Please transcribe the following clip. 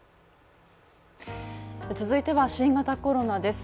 続いては、新型コロナです。